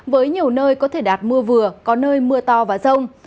với nhiều nơi có thể đạt mưa vừa có nơi mưa to và rông